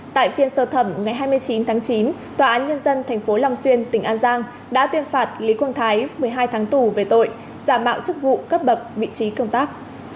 tại phiên sơ thẩm ngày hai mươi chín tháng chín tòa án nhân dân tp long xuyên tỉnh an giang đã tuyên phạt lý quang thái một mươi hai tháng tù về tội giả mạo chức vụ cấp bậc vị trí công tác